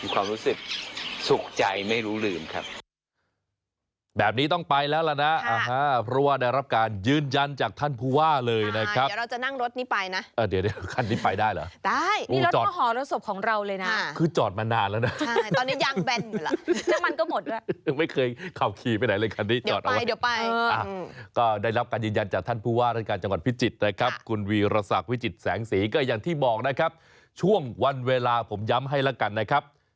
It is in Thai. ความรู้สึกสุขใจไม่รู้ลืมครับ